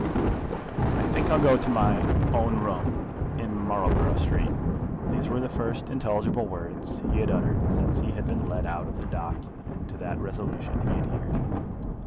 "I think I'll go to my own room in Marlborough Street." These were the first intelligible words he had uttered since he had been led out of the dock, and to that resolution he adhered.